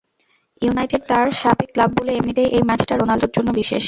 United তাঁর সাবেক club বলে এমনিতেই এই ম্যাচটা রোনালদোর জন্য বিশেষ।